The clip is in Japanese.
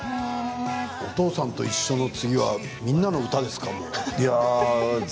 「おとうさんといっしょ」の次は「みんなのうた」ですか。